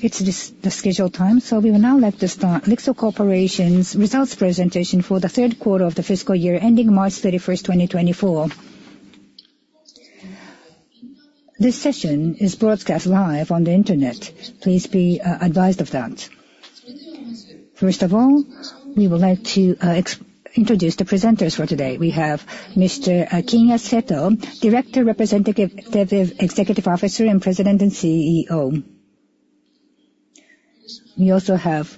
It's the scheduled time, so we will now like to start LIXIL Corporation's results presentation for the third quarter of the fiscal year ending March 31, 2024. This session is broadcast live on the internet. Please be advised of that. First of all, we would like to introduce the presenters for today. We have Mr. Kinya Seto, Director, Representative Executive Officer, and President and CEO. We also have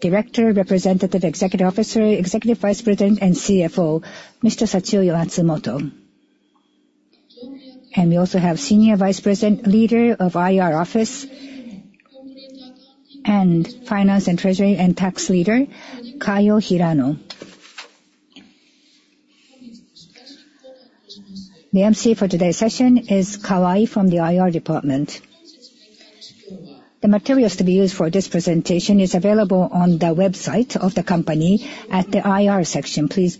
Director, Representative Executive Officer, Executive Vice President, and CFO, Mr. Sachio Matsumoto. We also have Senior Vice President, leader of IR Office, and Finance and Treasury and Tax leader, Kayo Hirano. The MC for today's session is Kawai from the IR Department. The materials to be used for this presentation is available on the website of the company at the IR section. Please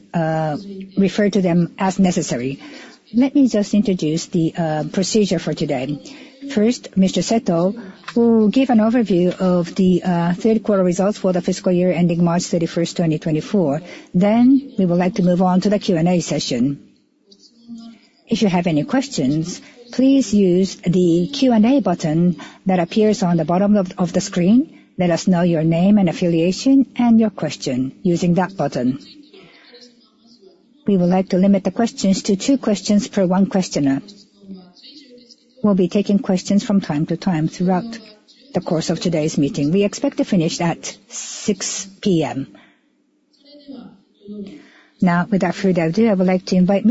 refer to them as necessary. Let me just introduce the procedure for today. First, Mr. Seto will give an overview of the third quarter results for the fiscal year ending March 31, 2024. Then, we would like to move on to the Q&A session. If you have any questions, please use the Q&A button that appears on the bottom of the screen. Let us know your name and affiliation and your question using that button. We would like to limit the questions to two questions per one questioner. We'll be taking questions from time to time throughout the course of today's meeting. We expect to finish at 6:00 P.M. Now, without further ado, I would like to invite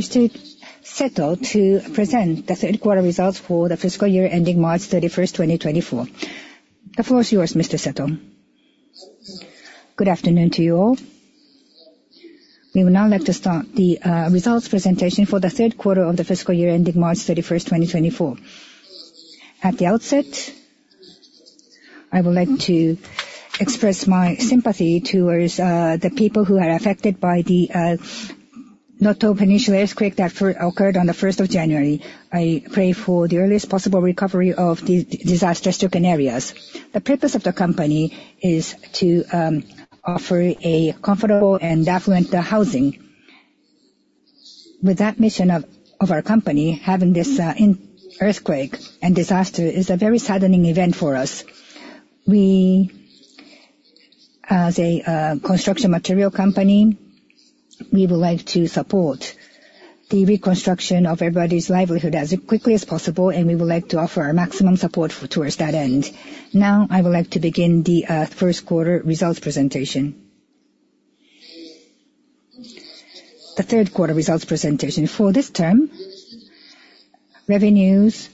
Mr. Seto to present the third quarter results for the fiscal year ending March 31, 2024. The floor is yours, Mr. Seto. Good afternoon to you all. We would now like to start the results presentation for the third quarter of the fiscal year ending March 31, 2024. At the outset, I would like to express my sympathy towards the people who are affected by the Noto Peninsula Earthquake that occurred on January 1. I pray for the earliest possible recovery of the disaster-stricken areas. The purpose of the company is to offer a comfortable and affluent housing. With that mission of our company, having this earthquake and disaster is a very saddening event for us. We, as a construction material company, would like to support the reconstruction of everybody's livelihood as quickly as possible, and we would like to offer our maximum support towards that end. Now, I would like to begin the first quarter results presentation. The third quarter results presentation. For this term, revenues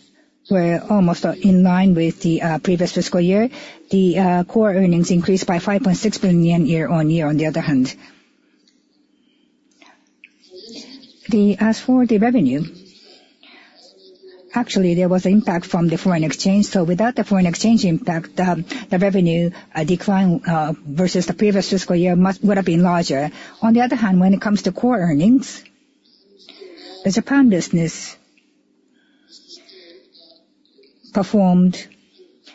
were almost in line with the previous fiscal year. The core earnings increased by 5.6 billion year-on-year, on the other hand. As for the revenue, actually, there was impact from the foreign exchange, so without the foreign exchange impact, the revenue decline versus the previous fiscal year would have been larger. On the other hand, when it comes to core earnings, the Japan business performed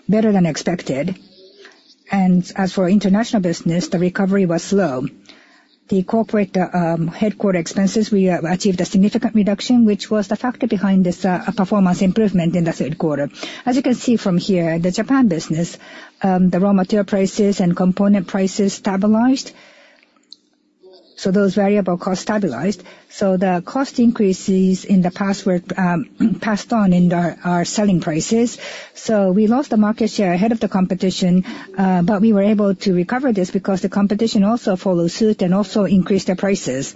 better than expected, and as for international business, the recovery was slow. The corporate headquarters expenses, we have achieved a significant reduction, which was the factor behind this performance improvement in the third quarter. As you can see from here, the Japan business, the raw material prices and component prices stabilized, so those variable costs stabilized. So the cost increases in the past were passed on in our selling prices. So we lost the market share ahead of the competition, but we were able to recover this because the competition also followed suit and also increased their prices.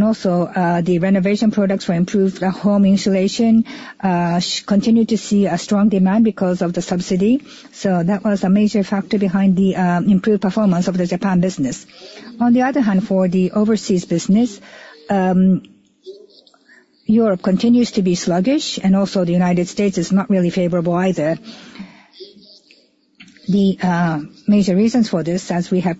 Also, the renovation products were improved. The home insulation continued to see a strong demand because of the subsidy, so that was a major factor behind the improved performance of the Japan business. On the other hand, for the overseas business, Europe continues to be sluggish, and also the United States is not really favorable either. The major reasons for this, as we have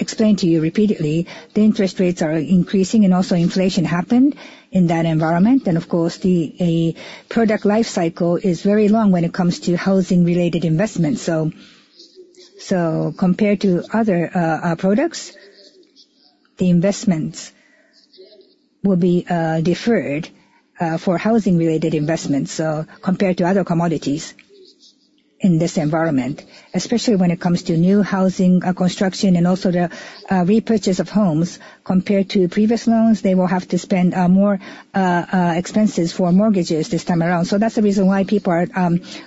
explained to you repeatedly, the interest rates are increasing, and also inflation happened in that environment. Of course, a product life cycle is very long when it comes to housing-related investments. So compared to other products, the investments will be deferred for housing-related investments, so compared to other commodities in this environment. Especially when it comes to new housing construction and also the repurchase of homes. Compared to previous loans, they will have to spend more expenses for mortgages this time around. So that's the reason why people are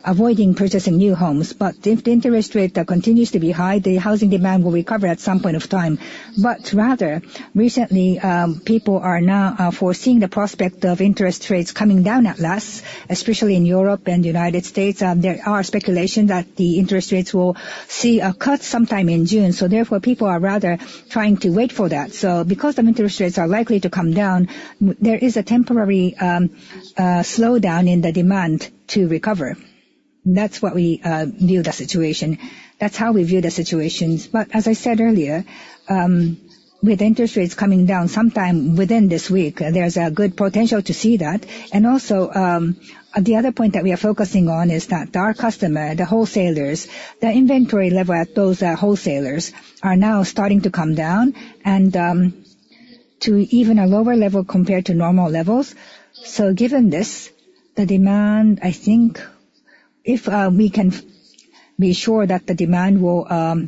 avoiding purchasing new homes. But if the interest rate continues to be high, the housing demand will recover at some point of time. But rather, recently, people are now foreseeing the prospect of interest rates coming down at last, especially in Europe and United States. There are speculation that the interest rates will see a cut sometime in June, so therefore, people are rather trying to wait for that. So because the interest rates are likely to come down, there is a temporary slowdown in the demand to recover. That's what we view the situation. That's how we view the situations. But as I said earlier, with interest rates coming down sometime within this week, there's a good potential to see that. And also, the other point that we are focusing on is that our customer, the wholesalers, the inventory level at those wholesalers are now starting to come down and to even a lower level compared to normal levels. Given this, the demand, I think if we can be sure that the demand will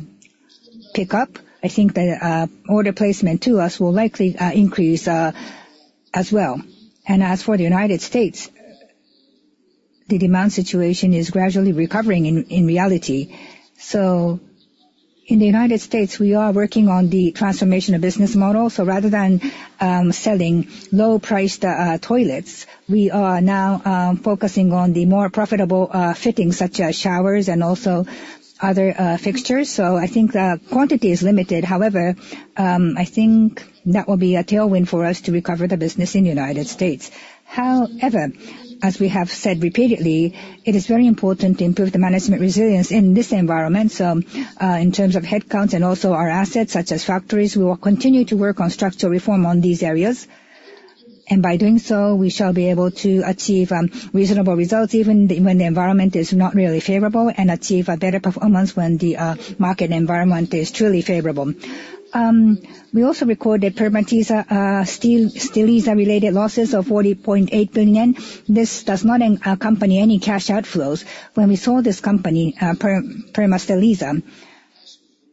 pick up, I think the order placement to us will likely increase as well. As for the United States, the demand situation is gradually recovering in reality. In the United States, we are working on the transformation of business model. Rather than selling low-priced toilets, we are now focusing on the more profitable fittings, such as showers and also other fixtures. I think the quantity is limited. However, I think that will be a tailwind for us to recover the business in United States. However, as we have said repeatedly, it is very important to improve the management resilience in this environment. So, in terms of headcounts and also our assets, such as factories, we will continue to work on structural reform on these areas, and by doing so, we shall be able to achieve reasonable results, even when the environment is not really favorable, and achieve a better performance when the market environment is truly favorable. We also recorded Permasteelisa related losses of 40.8 billion. This does not accompany any cash outflows. When we sold this company, Permasteelisa,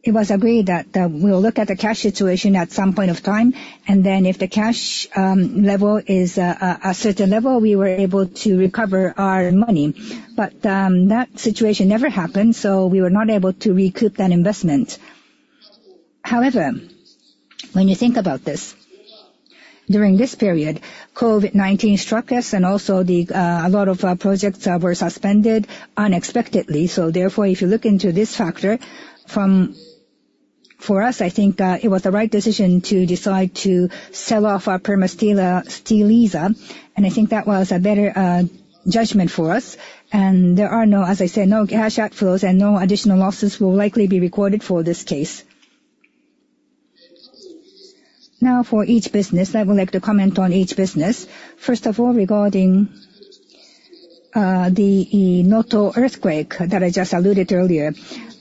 it was agreed that we'll look at the cash situation at some point of time, and then if the cash level is a certain level, we were able to recover our money. But that situation never happened, so we were not able to recoup that investment. However, when you think about this, during this period, COVID-19 struck us and also a lot of our projects were suspended unexpectedly. So therefore, if you look into this factor, for us, I think, it was the right decision to decide to sell off our Permasteelisa, and I think that was a better judgment for us. And there are no, as I said, no cash outflows and no additional losses will likely be recorded for this case. Now for each business, I would like to comment on each business. First of all, regarding the Noto earthquake that I just alluded earlier.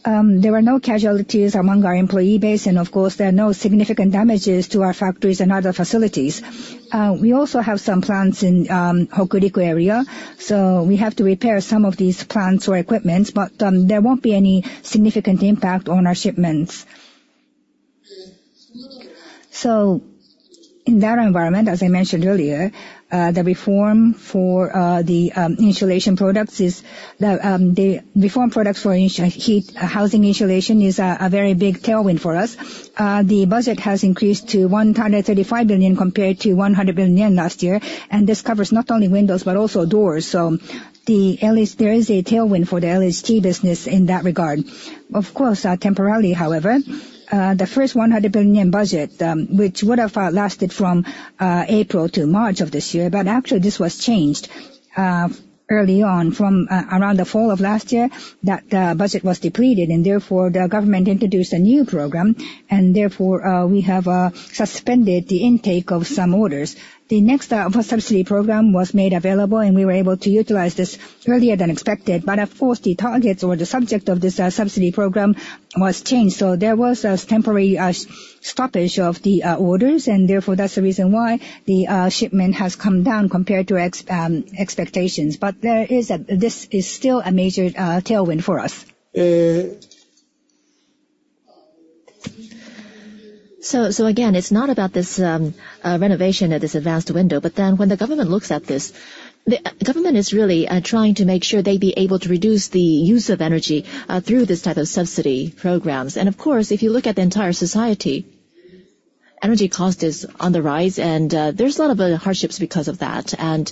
There were no casualties among our employee base, and of course, there are no significant damages to our factories and other facilities. We also have some plants in Hokuriku area, so we have to repair some of these plants or equipment, but there won't be any significant impact on our shipments. In that environment, as I mentioned earlier, the reform for the insulation products is the reform products for housing insulation is a very big tailwind for us. The budget has increased to 135 billion, compared to 100 billion last year. And this covers not only windows, but also doors. So the LHT, there is a tailwind for the LHT business in that regard. Of course, temporarily, however, the first 100 billion yen budget, which would have lasted from April to March of this year, but actually this was changed early on. From around the fall of last year, that budget was depleted, and therefore, the government introduced a new program, and therefore, we have suspended the intake of some orders. The next subsidy program was made available, and we were able to utilize this earlier than expected. But of course, the targets or the subject of this subsidy program was changed, so there was a temporary stoppage of the orders, and therefore, that's the reason why the shipment has come down compared to expectations. But there is a, this is still a major tailwind for us. So, so again, it's not about this renovation of this advanced window. But then when the government looks at this, the government is really trying to make sure they be able to reduce the use of energy through this type of subsidy programs. And of course, if you look at the entire society, energy cost is on the rise, and there's a lot of hardships because of that. And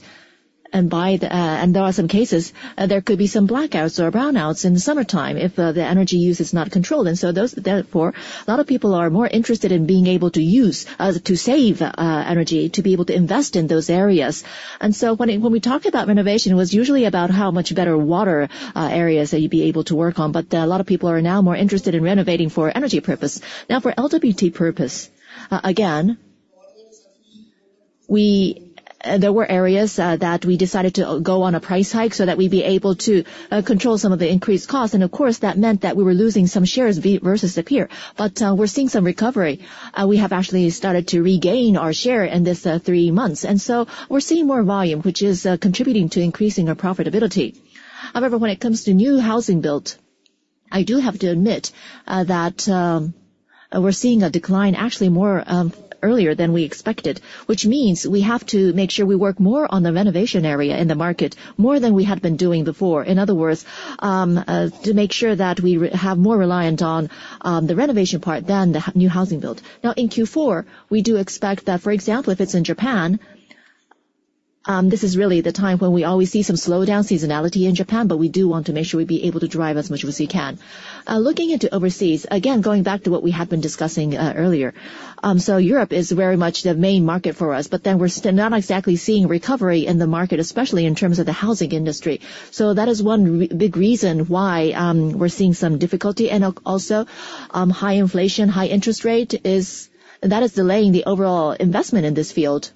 there are some cases. There could be some blackouts or brownouts in the summertime if the energy use is not controlled. And so those, therefore, a lot of people are more interested in being able to use to save energy, to be able to invest in those areas. So when we talk about renovation, it was usually about how much better water areas that you'd be able to work on, but a lot of people are now more interested in renovating for energy purpose. Now, for LWT purpose, again, we decided to go on a price hike so that we'd be able to control some of the increased costs. And of course, that meant that we were losing some shares versus the peer. But we're seeing some recovery. We have actually started to regain our share in this three months, and so we're seeing more volume, which is contributing to increasing our profitability. However, when it comes to new housing build, I do have to admit that we're seeing a decline, actually more earlier than we expected. Which means we have to make sure we work more on the renovation area in the market, more than we had been doing before. In other words, to make sure that we have more reliant on, the renovation part than the new housing build. Now, in Q4, we do expect that, for example, if it's in Japan- ... This is really the time when we always see some slowdown seasonality in Japan, but we do want to make sure we be able to drive as much as we can. Looking into overseas, again, going back to what we had been discussing, earlier. So Europe is very much the main market for us, but then we're still not exactly seeing recovery in the market, especially in terms of the housing industry. So that is one big reason why, we're seeing some difficulty, and also, high inflation, high interest rate is... That is delaying the overall investment in this field.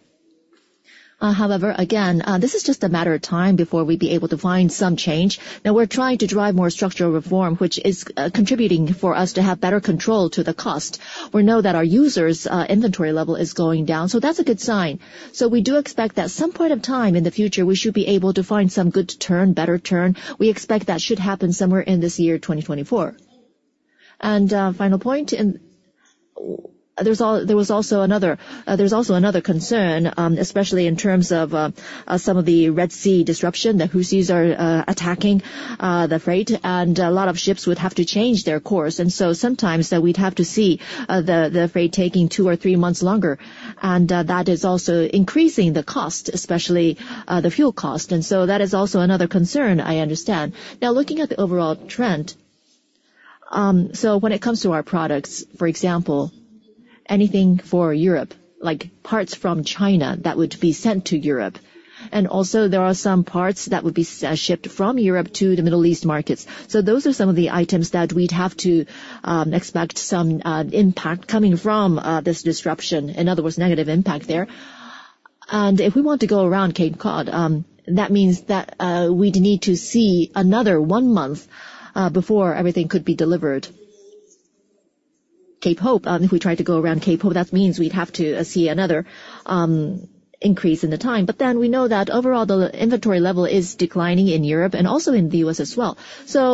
However, again, this is just a matter of time before we'd be able to find some change. Now we're trying to drive more structural reform, which is contributing for us to have better control to the cost. We know that our users' inventory level is going down, so that's a good sign. So we do expect that some point of time in the future, we should be able to find some good turn, better turn. We expect that should happen somewhere in this year, 2024. And, final point, and there's also another concern, especially in terms of, some of the Red Sea disruption. The Houthis are attacking the freight, and a lot of ships would have to change their course, and so sometimes, we'd have to see the freight taking two or three months longer, and that is also increasing the cost, especially the fuel cost, and so that is also another concern, I understand. Now, looking at the overall trend, so when it comes to our products, for example, anything for Europe, like parts from China, that would be sent to Europe, and also there are some parts that would be, shipped from Europe to the Middle East markets. So those are some of the items that we'd have to, expect some, impact coming from, this disruption, in other words, negative impact there. And if we want to go around Cape of Good Hope, that means that, we'd need to see another 1 month, before everything could be delivered. Cape Hope, if we try to go around Cape Hope, that means we'd have to, see another, increase in the time. But then we know that overall, the inventory level is declining in Europe and also in the U.S. as well. So,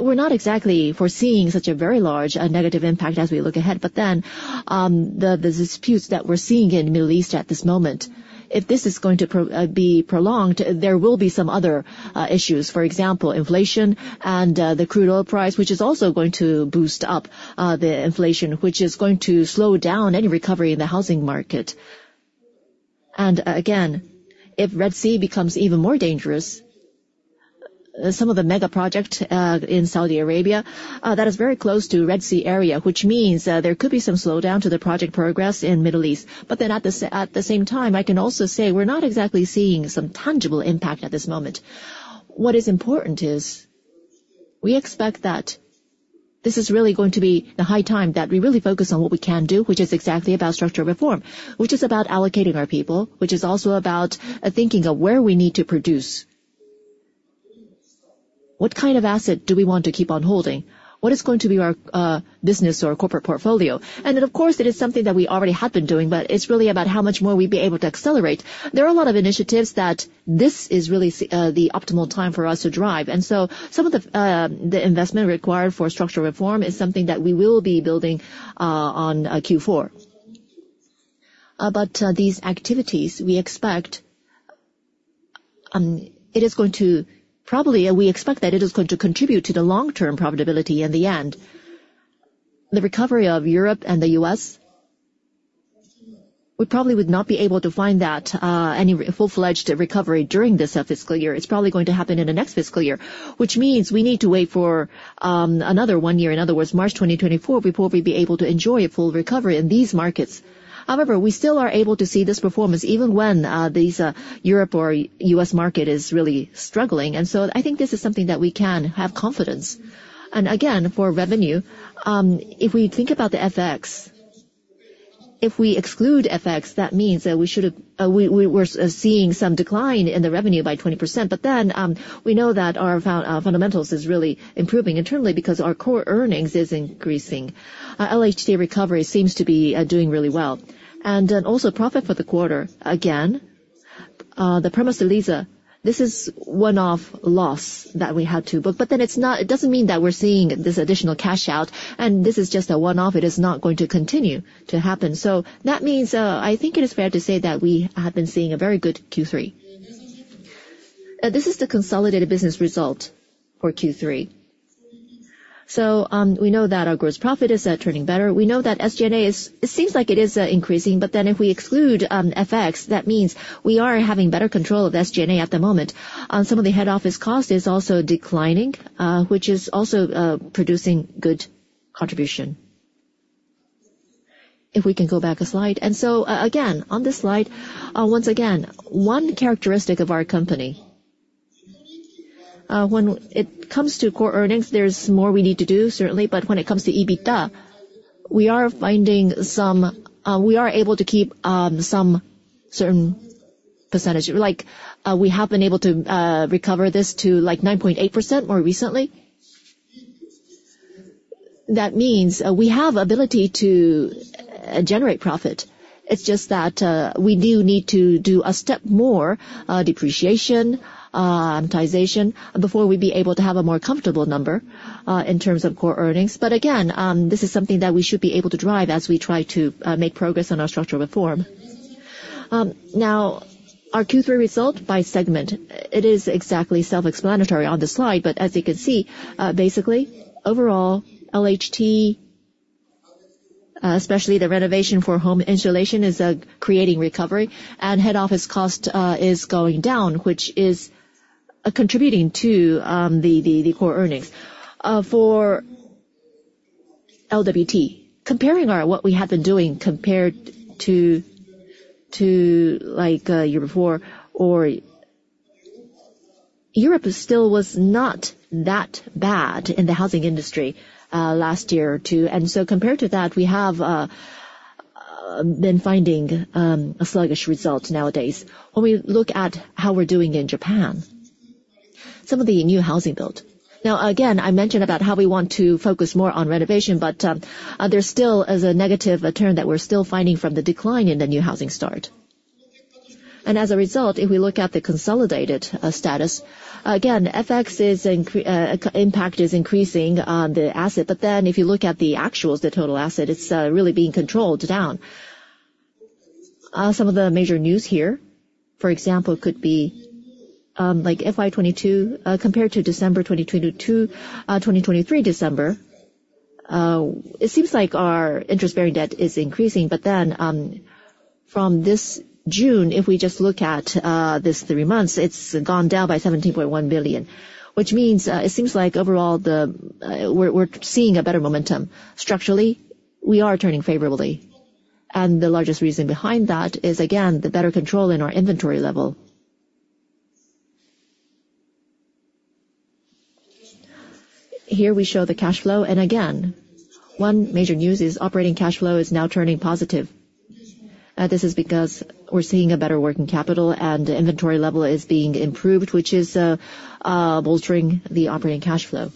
we're not exactly foreseeing such a very large negative impact as we look ahead, but then, the disputes that we're seeing in Middle East at this moment, if this is going to be prolonged, there will be some other issues, for example, inflation and the crude oil price, which is also going to boost up the inflation, which is going to slow down any recovery in the housing market. And, again, if Red Sea becomes even more dangerous, some of the mega project in Saudi Arabia that is very close to Red Sea area, which means there could be some slowdown to the project progress in Middle East. But then at the same time, I can also say we're not exactly seeing some tangible impact at this moment. What is important is, we expect that this is really going to be the high time that we really focus on what we can do, which is exactly about structural reform, which is about allocating our people, which is also about thinking of where we need to produce. What kind of asset do we want to keep on holding? What is going to be our business or corporate portfolio? And then, of course, it is something that we already have been doing, but it's really about how much more we'd be able to accelerate. There are a lot of initiatives that this is really the optimal time for us to drive. And so some of the investment required for structural reform is something that we will be building on Q4. But these activities, we expect, it is going to... Probably, we expect that it is going to contribute to the long-term profitability in the end. The recovery of Europe and the U.S., we probably would not be able to find that any full-fledged recovery during this fiscal year. It's probably going to happen in the next fiscal year, which means we need to wait for another one year, in other words, March 2024, before we'd be able to enjoy a full recovery in these markets. However, we still are able to see this performance even when these Europe or U.S. market is really struggling, and so I think this is something that we can have confidence. And again, for revenue, if we think about the FX, if we exclude FX, that means that we should have we're seeing some decline in the revenue by 20%. But then, we know that our fundamentals is really improving internally because our Core Earnings is increasing. Our LHT recovery seems to be doing really well. And then also profit for the quarter, again, the Permasteelisa, this is one-off loss that we had to book, but then it's not. It doesn't mean that we're seeing this additional cash out, and this is just a one-off. It is not going to continue to happen. So that means, I think it is fair to say that we have been seeing a very good Q3. This is the consolidated business result for Q3. So, we know that our gross profit is turning better. We know that SG&A is it seems like it is increasing, but then if we exclude FX, that means we are having better control of SG&A at the moment. Some of the head office cost is also declining, which is also producing good contribution. If we can go back a slide. And so, again, on this slide, once again, one characteristic of our company, when it comes to core earnings, there's more we need to do, certainly, but when it comes to EBITDA, we are finding some... We are able to keep some certain percentage. Like, we have been able to recover this to, like, 9.8% more recently. That means we have ability to generate profit. It's just that, we do need to do a step more, depreciation, amortization, before we'd be able to have a more comfortable number, in terms of Core Earnings. But again, this is something that we should be able to drive as we try to make progress on our structural reform. Now, our Q3 result by segment, it is exactly self-explanatory on the slide, but as you can see, basically, overall, LHT- ... especially the renovation for home insulation is creating recovery, and head office cost is going down, which is contributing to the core earnings. For LWT, comparing our-- what we have been doing compared to, like, year before, or Europe is still was not that bad in the housing industry last year or two. And so compared to that, we have been finding a sluggish result nowadays. When we look at how we're doing in Japan, some of the new housing build. Now, again, I mentioned about how we want to focus more on renovation, but there still is a negative turn that we're still finding from the decline in the new housing start. As a result, if we look at the consolidated status, again, FX's impact is increasing on the asset. But then if you look at the actuals, the total asset, it's really being controlled down. Some of the major news here, for example, could be, like FY 2022 compared to December 2022, December 2023, it seems like our interest-bearing debt is increasing. But then, from this June, if we just look at this three months, it's gone down by 17.1 billion, which means, it seems like overall the... We're seeing a better momentum. Structurally, we are turning favorably, and the largest reason behind that is, again, the better control in our inventory level. Here we show the cash flow, and again, one major news is operating cash flow is now turning positive. This is because we're seeing a better working capital, and inventory level is being improved, which is bolstering the operating cash flow.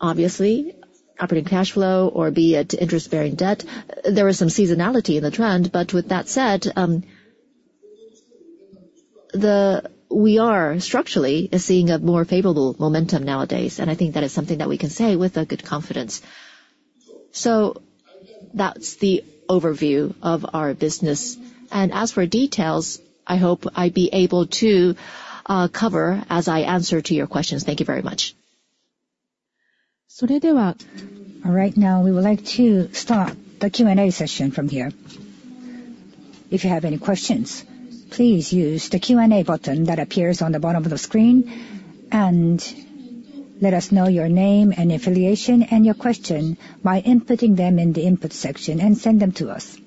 Obviously, operating cash flow or be it interest-bearing debt, there is some seasonality in the trend. But with that said, we are structurally seeing a more favorable momentum nowadays, and I think that is something that we can say with a good confidence. So that's the overview of our business. As for details, I hope I'll be able to cover as I answer to your questions. Thank you very much. All right, now we would like to start the Q&A session from here. If you have any questions, please use the Q&A button that appears on the bottom of the screen, and let us know your name and affiliation and your question by inputting them in the input section, and send them to us.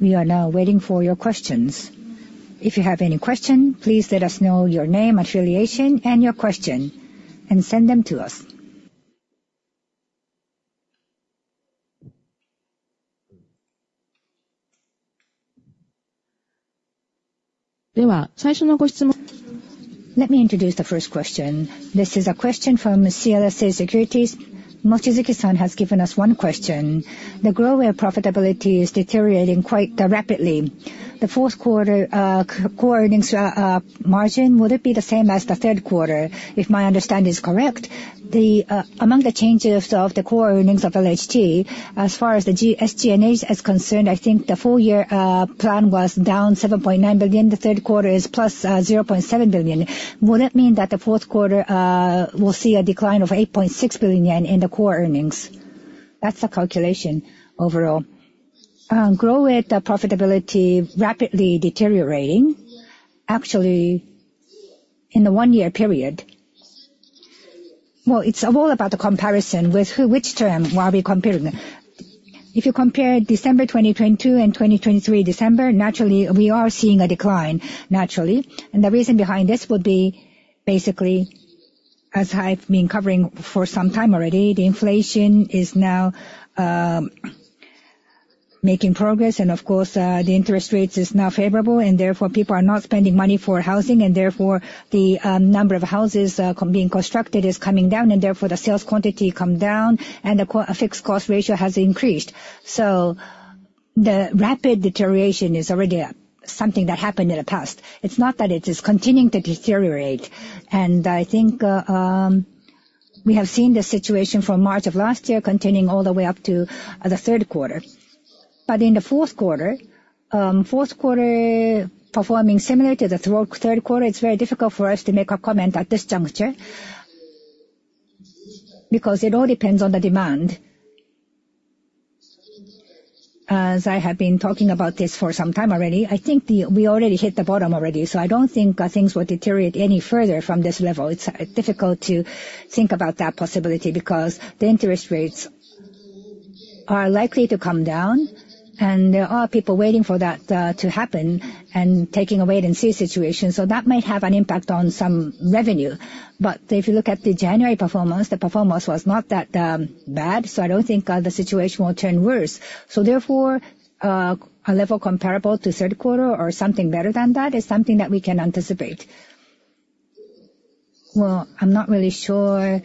We are now waiting for your questions. If you have any question, please let us know your name, affiliation, and your question, and send them to us. Let me introduce the first question. This is a question from CLSA Securities. Mochizuki-san has given us one question: The GROHE profitability is deteriorating quite rapidly. The fourth quarter core earnings margin, would it be the same as the third quarter? If my understanding is correct, the, among the changes of the core earnings of LHT, as far as the G-- SG&A is concerned, I think the full year plan was down 7.9 billion. The third quarter is plus zero point seven billion. Would that mean that the fourth quarter will see a decline of 8.6 billion yen in the core earnings? That's the calculation overall. GROHE, the profitability rapidly deteriorating, actually, in the one-year period. Well, it's all about the comparison with who, which term are we comparing? If you compare December 2022 and December 2023, naturally, we are seeing a decline, naturally. The reason behind this would be basically, as I've been covering for some time already, the inflation is now making progress, and of course, the interest rates is now favorable, and therefore people are not spending money for housing, and therefore, the number of houses being constructed is coming down, and therefore, the sales quantity come down, and the fixed cost ratio has increased. The rapid deterioration is already something that happened in the past. It's not that it is continuing to deteriorate. I think we have seen this situation from March of last year continuing all the way up to the third quarter. In the fourth quarter, fourth quarter performing similar to the third quarter, it's very difficult for us to make a comment at this juncture, because it all depends on the demand. As I have been talking about this for some time already, I think we already hit the bottom already, so I don't think things will deteriorate any further from this level. It's difficult to think about that possibility, because the interest rates are likely to come down, and there are people waiting for that to happen and taking a wait-and-see situation. So that may have an impact on some revenue. But if you look at the January performance, the performance was not that bad, so I don't think the situation will turn worse. So therefore a level comparable to third quarter or something better than that is something that we can anticipate. Well, I'm not really sure,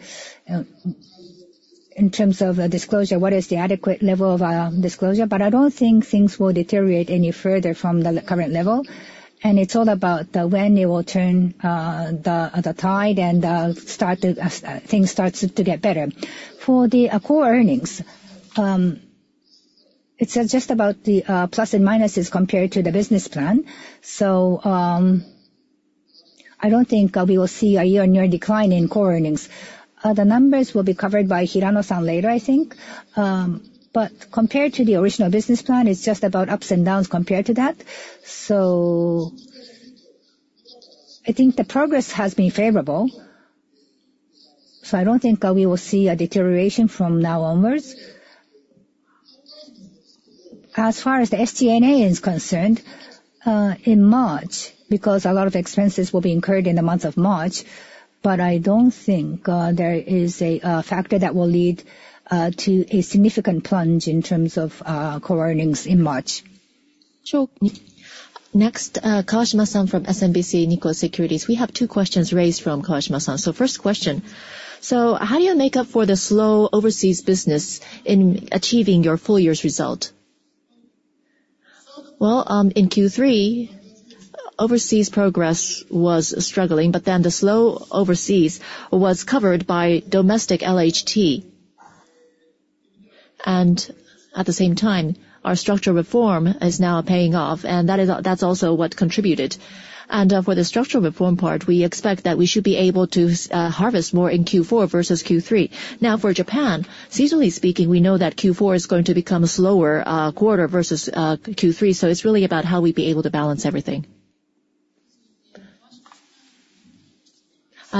in terms of, disclosure, what is the adequate level of, disclosure, but I don't think things will deteriorate any further from the current level. It's all about the when it will turn, the tide and, start to, things starts to get better. For the Core Earnings, it's just about the, plus and minuses compared to the business plan. So, I don't think we will see a year-on-year decline in Core Earnings. The numbers will be covered by Hirano-san later, I think. But compared to the original business plan, it's just about ups and downs compared to that. So I think the progress has been favorable, so I don't think we will see a deterioration from now onwards. As far as the SG&A is concerned, in March, because a lot of expenses will be incurred in the month of March, but I don't think, there is a, factor that will lead, to a significant plunge in terms of, core earnings in March. Next, Kawashima-san from SMBC Nikko Securities. We have two questions raised from Kawashima-san. So first question: So how do you make up for the slow overseas business in achieving your full year's result? Well, in Q3, overseas progress was struggling, but then the slow overseas was covered by domestic LHT. And at the same time, our structural reform is now paying off, and that is, that's also what contributed. And, for the structural reform part, we expect that we should be able to, harvest more in Q4 versus Q3. Now, for Japan, seasonally speaking, we know that Q4 is going to become a slower, quarter versus, Q3, so it's really about how we'd be able to balance everything.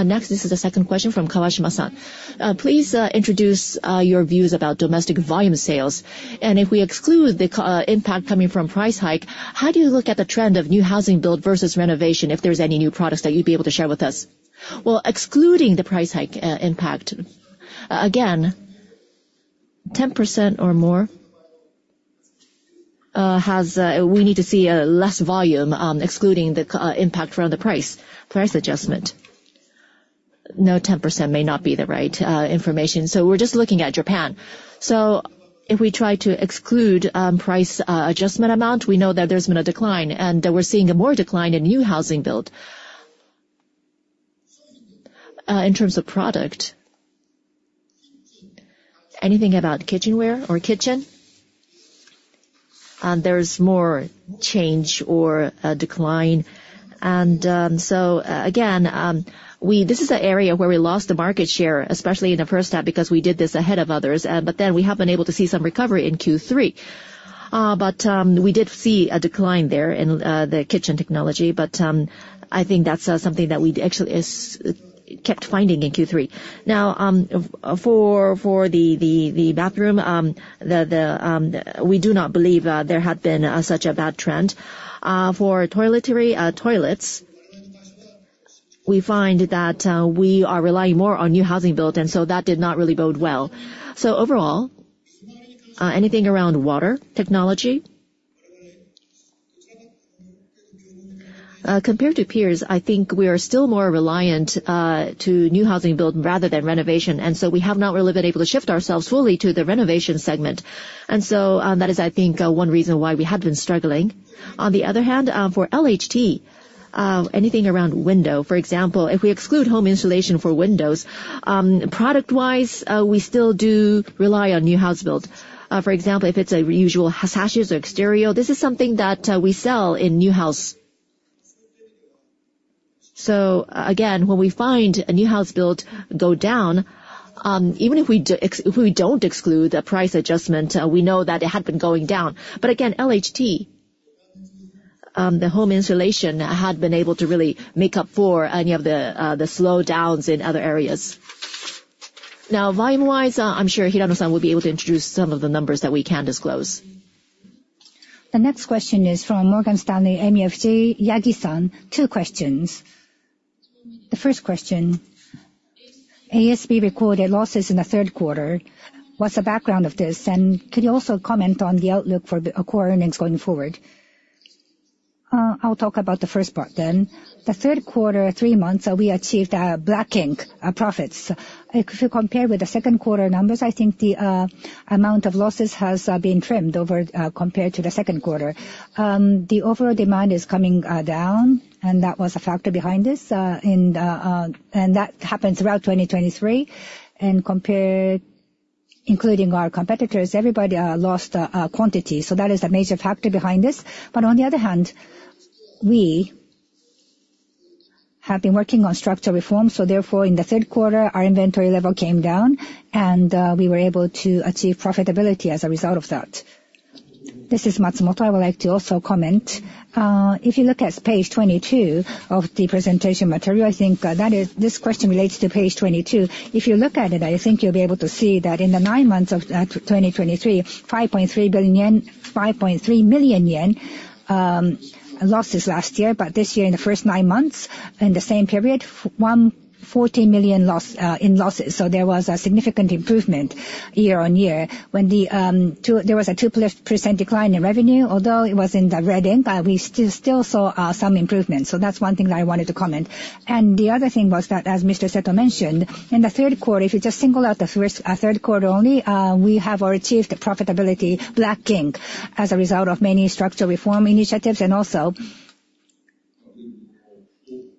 Next, this is the second question from Kawashima-san. Please introduce your views about domestic volume sales. And if we exclude the impact coming from price hike, how do you look at the trend of new housing build versus renovation, if there's any new products that you'd be able to share with us? Well, excluding the price hike impact, again, 10% or more has. We need to see less volume, excluding the impact from the price adjustment. No, 10% may not be the right information. So we're just looking at Japan. So if we try to exclude price adjustment amount, we know that there's been a decline, and we're seeing a more decline in new housing build. In terms of product, anything about kitchenware or kitchen? There's more change or decline. And so again, we-- this is an area where we lost the market share, especially in the first half, because we did this ahead of others. But then we have been able to see some recovery in Q3. But we did see a decline there in the kitchen technology, but I think that's something that we actually is kept finding in Q3. Now, for the bathroom, we do not believe there had been such a bad trend. For toiletry toilets, we find that we are relying more on new housing build, and so that did not really bode well. So overall, anything around water technology? Compared to peers, I think we are still more reliant to new housing build rather than renovation, and so we have not really been able to shift ourselves fully to the renovation segment. And so that is, I think, one reason why we have been struggling. On the other hand, for LHT, anything around window, for example, if we exclude home insulation for windows, product-wise, we still do rely on new house build. For example, if it's a usual sashes or exterior, this is something that we sell in new house. So again, when we find a new house build go down, even if we don't exclude the price adjustment, we know that it had been going down. But again, LHT, the home insulation had been able to really make up for any of the slowdowns in other areas. Now, volume-wise, I'm sure Hirano-san will be able to introduce some of the numbers that we can disclose. The next question is from Morgan Stanley MUFG, Yagi-san. Two questions. The first question: ASB recorded losses in the third quarter. What's the background of this? And could you also comment on the outlook for core earnings going forward? I'll talk about the first part then. The third quarter, three months, we achieved black ink profits. If you compare with the second quarter numbers, I think the amount of losses has been trimmed over compared to the second quarter. The overall demand is coming down, and that was a factor behind this. And that happens throughout 2023. And compared, including our competitors, everybody lost quantity. So that is a major factor behind this. But on the other hand, we have been working on structural reform, so therefore, in the third quarter, our inventory level came down, and we were able to achieve profitability as a result of that. This is Matsumoto. I would like to also comment. If you look at page 22 of the presentation material, I think that is, this question relates to page 22. If you look at it, I think you'll be able to see that in the nine months of 2023, 5.3 billion yen, 5.3 million yen losses last year. But this year, in the first nine months, in the same period, 140 million loss in losses. So there was a significant improvement year-on-year. When there was a 2% decline in revenue, although it was in the red ink, we still saw some improvement. So that's one thing that I wanted to comment. And the other thing was that, as Mr. Seto mentioned, in the third quarter, if you just single out the third quarter only, we have already achieved profitability, black ink, as a result of many structural reform initiatives and also- ...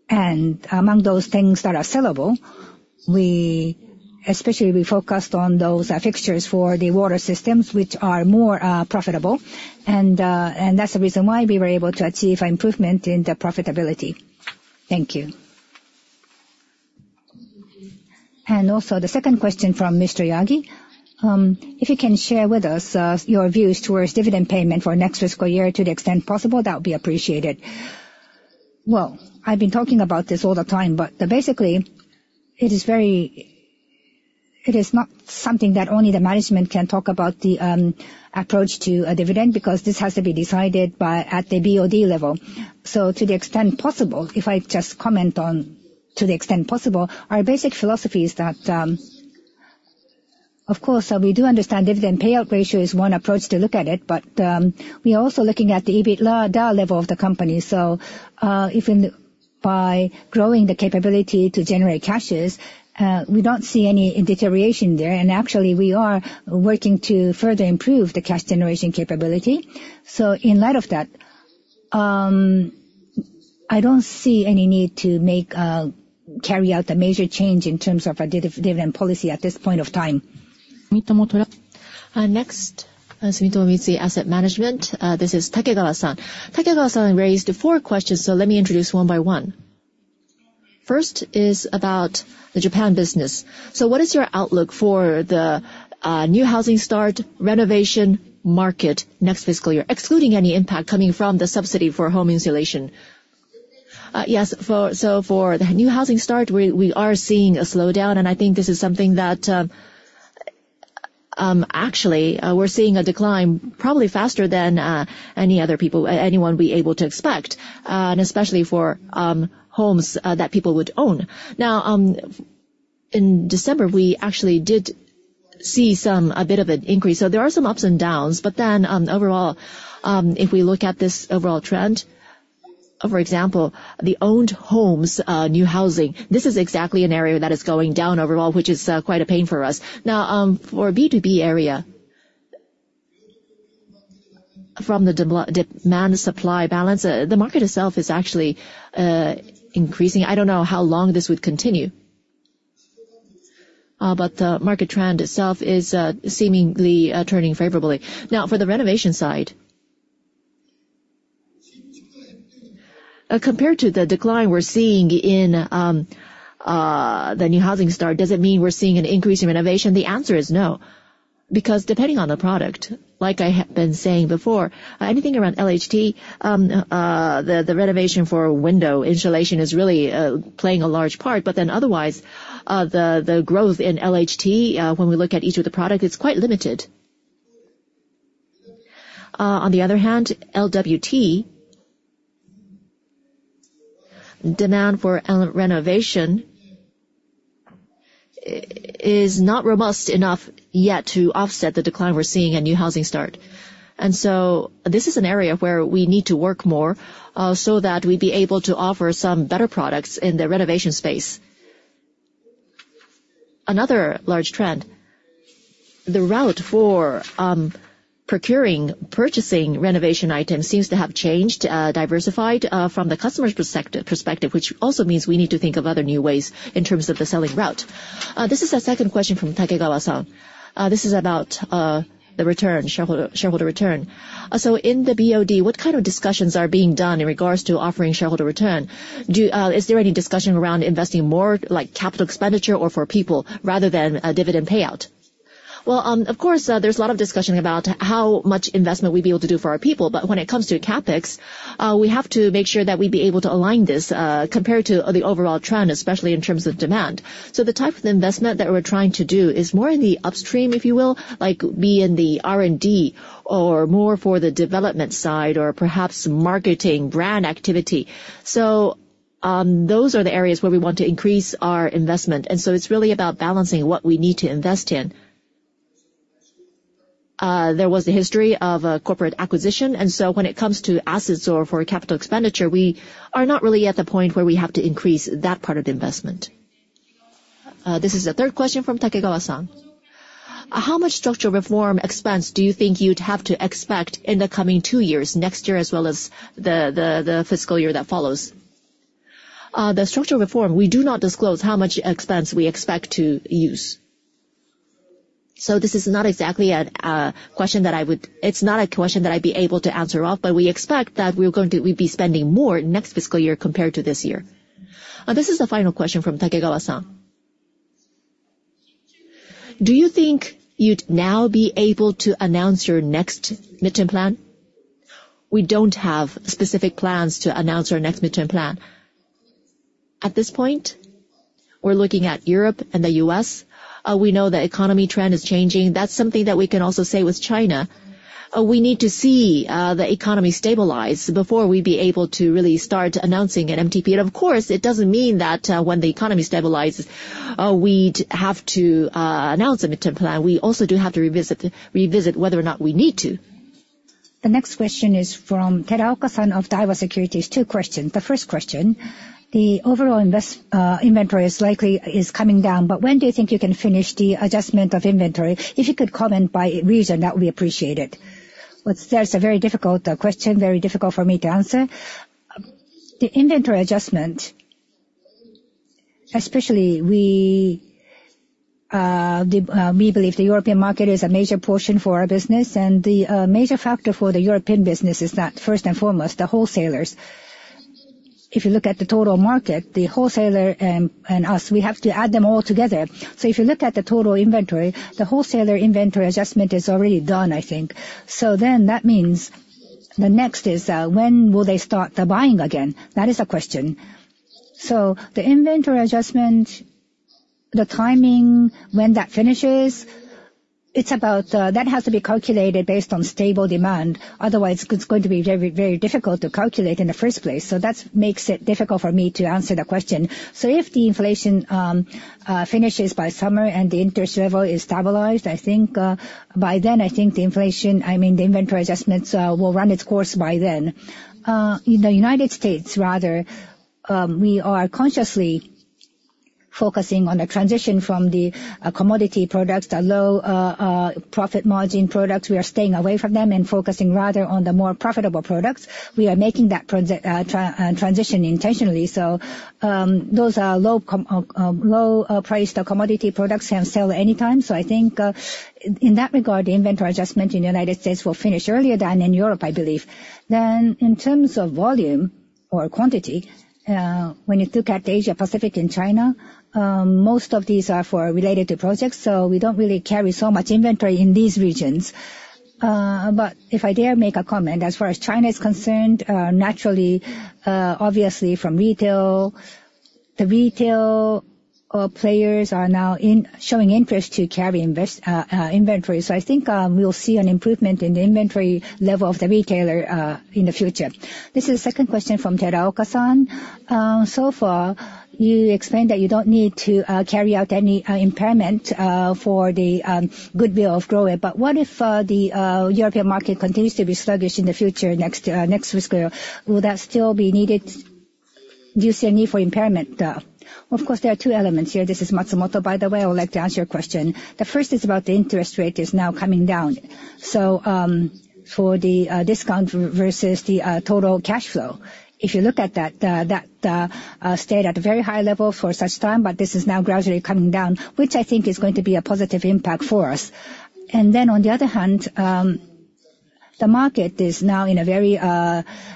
And among those things that are sellable, we, especially we focused on those, fixtures for the water systems, which are more profitable. And, and that's the reason why we were able to achieve an improvement in the profitability. Thank you. And also, the second question from Mr. Yagi, if you can share with us, your views towards dividend payment for next fiscal year to the extent possible, that would be appreciated. Well, I've been talking about this all the time, but basically, it is not something that only the management can talk about, the approach to a dividend, because this has to be decided by, at the BOD level. So, to the extent possible, our basic philosophy is that, of course, we do understand dividend payout ratio is one approach to look at it, but we are also looking at the EBITDA level of the company. So, if by growing the capability to generate cash, we don't see any deterioration there, and actually, we are working to further improve the cash generation capability. So, in light of that, I don't see any need to carry out a major change in terms of our dividend policy at this point of time. Next, Sumitomo Mitsui Asset Management. This is Takegawa-san. Takegawa-san raised four questions, so let me introduce one by one. First is about the Japan business. So what is your outlook for the new housing start renovation market next fiscal year, excluding any impact coming from the subsidy for home insulation? Yes, so for the new housing start, we are seeing a slowdown, and I think this is something that actually we're seeing a decline probably faster than any other people, anyone would be able to expect, and especially for homes that people would own. Now, in December, we actually did see some a bit of an increase, so there are some ups and downs. But then, overall, if we look at this overall trend, for example, the owned homes new housing, this is exactly an area that is going down overall, which is quite a pain for us. Now, for B2B area, from the demand and supply balance, the market itself is actually increasing. I don't know how long this would continue. But the market trend itself is seemingly turning favorably. Now, for the renovation side, compared to the decline we're seeing in the new housing start, does it mean we're seeing an increase in renovation? The answer is no, because depending on the product, like I been saying before, anything around LHT, the renovation for window insulation is really playing a large part. But then otherwise, the growth in LHT, when we look at each of the product, is quite limited. On the other hand, LWT demand for renovation is not robust enough yet to offset the decline we're seeing in new housing start. And so this is an area where we need to work more, so that we'd be able to offer some better products in the renovation space. Another large trend, the route for procuring, purchasing renovation items seems to have changed, diversified, from the customer's perspective, which also means we need to think of other new ways in terms of the selling route. This is our second question from Takegawa-san. This is about the shareholder return. So in the BOD, what kind of discussions are being done in regards to offering shareholder return? Is there any discussion around investing more, like capital expenditure or for people, rather than a dividend payout? Well, of course, there's a lot of discussion about how much investment we'd be able to do for our people, but when it comes to CapEx, we have to make sure that we'd be able to align this, compared to the overall trend, especially in terms of demand. So the type of investment that we're trying to do is more in the upstream, if you will, like be in the R&D or more for the development side or perhaps marketing, brand activity. So, those are the areas where we want to increase our investment, and so it's really about balancing what we need to invest in. There was the history of a corporate acquisition, and so when it comes to assets or for capital expenditure, we are not really at the point where we have to increase that part of the investment. This is the third question from Takegawa-san. How much structural reform expense do you think you'd have to expect in the coming two years, next year as well as the fiscal year that follows? The structural reform, we do not disclose how much expense we expect to use. So this is not exactly a, a question that I would—it's not a question that I'd be able to answer off, but we expect that we're going to, we'd be spending more next fiscal year compared to this year. This is the final question from Takegawa-san. Do you think you'd now be able to announce your next midterm plan? We don't have specific plans to announce our next midterm plan. At this point, we're looking at Europe and the US. We know the economy trend is changing. That's something that we can also say with China. We need to see the economy stabilize before we'd be able to really start announcing an MTP. And of course, it doesn't mean that when the economy stabilizes, we'd have to announce a midterm plan. We also do have to revisit whether or not we need to. The next question is from Teraoka-san of Daiwa Securities. Two questions. The first question: The overall inventory is likely coming down, but when do you think you can finish the adjustment of inventory? If you could comment by region, that would be appreciated. Well, that's a very difficult question, very difficult for me to answer. The inventory adjustment-... Especially we, the, we believe the European market is a major portion for our business, and the, major factor for the European business is that first and foremost, the wholesalers. If you look at the total market, the wholesaler and, and us, we have to add them all together. So if you look at the total inventory, the wholesaler inventory adjustment is already done, I think. So then that means the next is, when will they start the buying again? That is the question. So the inventory adjustment, the timing when that finishes, it's about, that has to be calculated based on stable demand. Otherwise, it's going to be very, very difficult to calculate in the first place. So that's makes it difficult for me to answer the question. So if the inflation finishes by summer and the interest level is stabilized, I think, by then, I think the inflation, I mean, the inventory adjustments will run its course by then. In the United States, rather, we are consciously focusing on the transition from the commodity products, the low profit margin products. We are staying away from them and focusing rather on the more profitable products. We are making that transition intentionally. So, those low-price commodity products can sell anytime. So I think, in that regard, the inventory adjustment in the United States will finish earlier than in Europe, I believe. Then in terms of volume or quantity, when you look at Asia, Pacific and China, most of these are related to projects, so we don't really carry so much inventory in these regions. But if I dare make a comment, as far as China is concerned, naturally, obviously from retail, the retail players are now showing interest to carry invest inventory. So I think, we'll see an improvement in the inventory level of the retailer, in the future. This is the second question from Teraoka-san. So far, you explained that you don't need to carry out any impairment for the goodwill of GROHE. But what if the European market continues to be sluggish in the future, next fiscal year? Will that still be needed? Do you see a need for impairment? Of course, there are two elements here. This is Matsumoto, by the way. I would like to answer your question. The first is about the interest rate is now coming down. So, for the discount versus the total cash flow, if you look at that, that stayed at a very high level for such time, but this is now gradually coming down, which I think is going to be a positive impact for us. And then, on the other hand, the market is now in a very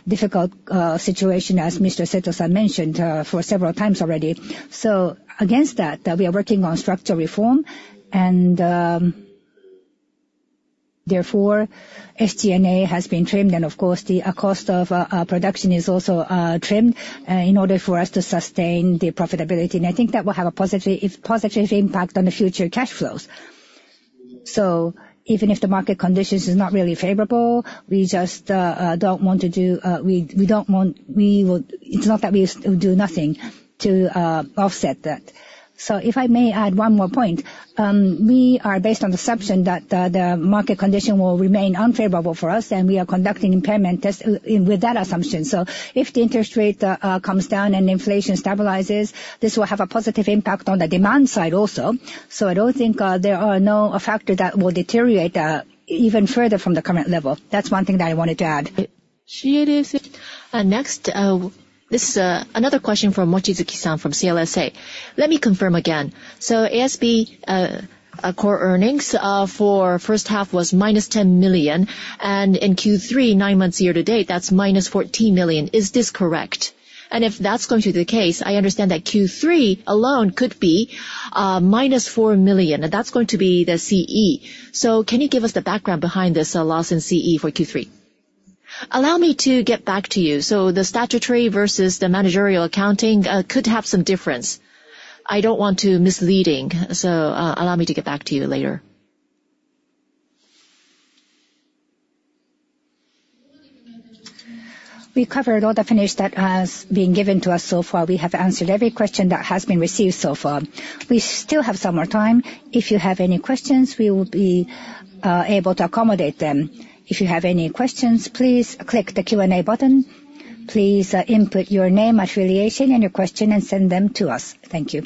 difficult situation, as Mr. Seto-san mentioned, for several times already. So against that, we are working on structural reform, and, therefore, SG&A has been trimmed, and of course, the cost of production is also trimmed, in order for us to sustain the profitability. And I think that will have a positive, positive impact on the future cash flows. So even if the market conditions is not really favorable, we just don't want to do, we, we don't want... We would—It's not that we do nothing to offset that. So if I may add one more point, we are based on the assumption that the market condition will remain unfavorable for us, and we are conducting impairment test with that assumption. So if the interest rate comes down and inflation stabilizes, this will have a positive impact on the demand side also. So I don't think, there are no factor that will deteriorate, even further from the current level. That's one thing that I wanted to add. Next, this is, another question from Mochizuki-san, from CLSA. Let me confirm again. So ASB, core earnings, for first half was -10 million, and in Q3, nine months year to date, that's -14 million. Is this correct? And if that's going to be the case, I understand that Q3 alone could be, minus 4 million, and that's going to be the CE. So can you give us the background behind this, loss in CE for Q3? Allow me to get back to you. So the statutory versus the managerial accounting, could have some difference. I don't want to misleading, so, allow me to get back to you later. We covered all the finish that has been given to us so far. We have answered every question that has been received so far. We still have some more time. If you have any questions, we will be able to accommodate them. If you have any questions, please click the Q&A button. Please input your name, affiliation, and your question, and send them to us. Thank you.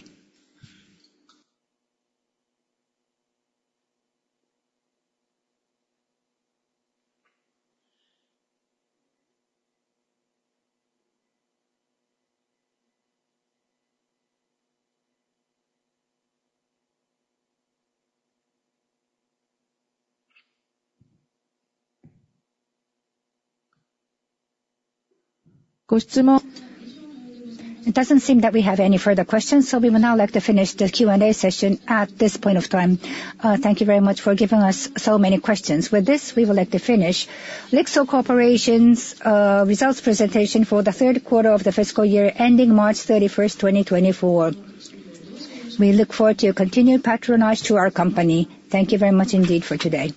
It doesn't seem that we have any further questions, so we will now like to finish the Q&A session at this point of time. Thank you very much for giving us so many questions. With this, we would like to finish LIXIL Corporation's results presentation for the third quarter of the fiscal year ending March 31, 2024. We look forward to your continued patronage to our company. Thank you very much indeed for today.